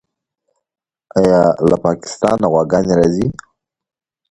آیا له پاکستانه غواګانې راځي؟